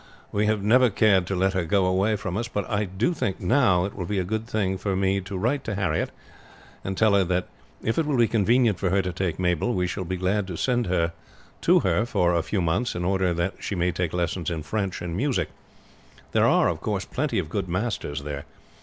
We have never cared to let her go away from us; but I do think now that it will be a good thing for me to write to Harriet, and tell her that if it will be convenient for her to take Mabel, we shall be glad to send her to her for a few months in order that she may take lessons in French and music. There are, of course, plenty of good masters there.